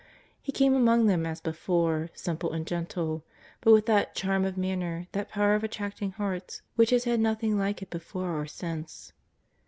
He came among them as before, simple and gentle, but with that charm of manner, that power of attracting hearts which has had nothing like it before or since.